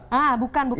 ah bukan bukan bukan